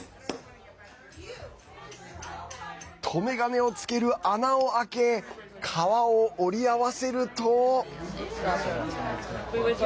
留め金をつける穴を開け革を折り合わせると。